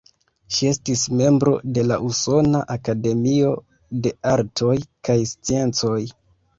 Ŝi estis membro de la Usona Akademio de Artoj kaj Sciencoj.